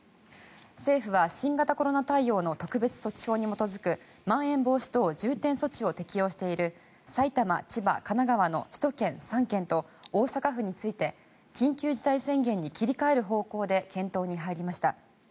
政府は新型コロナ対応の特別措置法に基づくまん延防止等重点措置を適用している埼玉、千葉、神奈川の首都圏３県と大阪府について緊急事態宣言に切り替える方向で検討に入りました。